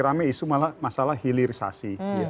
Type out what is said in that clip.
rame isu masalah hilirisasi